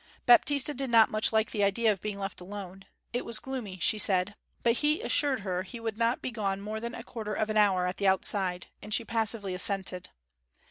Baptista did not much like the idea of being left alone; it was gloomy, she said. But he assured her he would not be gone more than a quarter of an hour at the outside, and she passively assented.